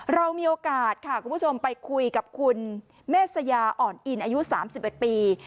เรามีโอกาสค่ะคุณผู้ชมไปคุยกับคุณเมษยาอ่อนอินอายุ๓๑ปี